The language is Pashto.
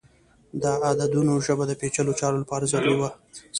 د عددونو ژبه د پیچلو چارو لپاره ضروری وه.